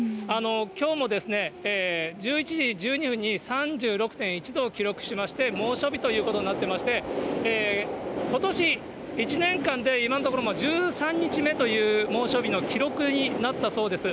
きょうも１１時１２分に３６．１度を記録しまして、猛暑日ということになってまして、ことし１年間で今のところ、１３日目という猛暑日の記録になったそうです。